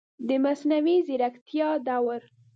د مصنوعي ځیرکتیا دور